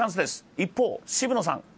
一方、渋野さん。